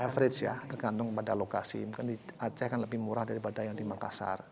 average ya tergantung pada lokasi mungkin di aceh kan lebih murah daripada yang di makassar